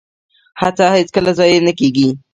هڅه هیڅکله ضایع نه کیږي